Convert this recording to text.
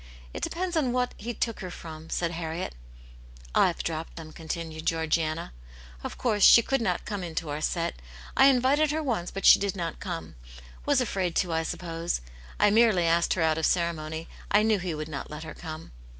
"It depends upon what he took her from," said Harriet '' JVe dropped them," continued Georgiana. " Of Aunt Janets Hero, 163 course, she could not come into our set ; I invited her once, but she did not come ; was afraid to, I suppose; I merely asked her out of ceremony : I knew he would not let her come."